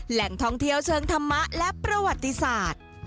แหล่งท่องเที่ยวเชิงธรรมะและประวัติศาสตร์